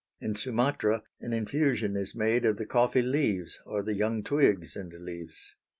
In Sumatra an infusion is made of the coffee leaves or the young twigs and leaves.